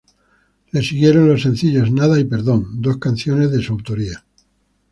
Le siguieron los sencillos "Nada" y "Perdón", dos canciones de su autoría.